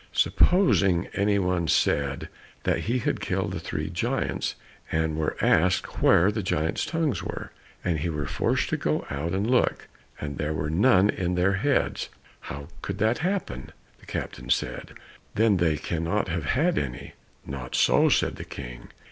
"Supposing any one said that he had killed the three giants and he were asked where the giants' tongues were, and he were forced to go and look, and there were none in their heads, how could that happen?" The captain said, "Then they cannot have had any." "Not so," said the King.